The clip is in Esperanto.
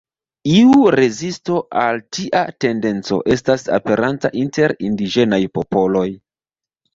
Iu rezisto al tia tendenco estas aperanta inter indiĝenaj popoloj.